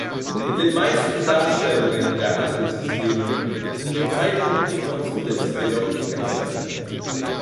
In den meisten Darstellungen der Handelssysteme sind die Zeitpunkte von Splits jedoch gekennzeichnet.